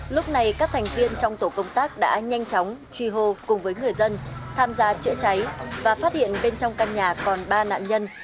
lúc này các thành viên trong tổ công tác đã nhanh chóng truy hô cùng với người dân tham gia chữa cháy và phát hiện bên trong căn nhà còn ba nạn nhân